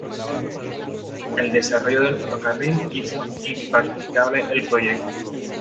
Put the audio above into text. El desarrollo del ferrocarril hizo impracticable el proyecto.